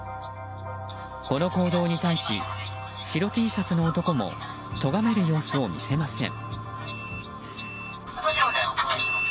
この行動に対し白Ｔシャツの男も咎める様子を見せません。